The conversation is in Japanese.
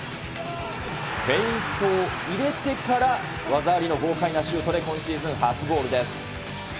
フェイントを入れてから、技ありの豪快なシュートで、今シーズン初ゴールです。